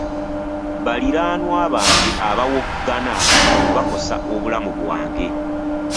Baliraanwa bange abawoggana bakosa obulamu bwange.